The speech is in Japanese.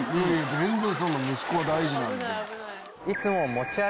全然そんな息子は大事なんで。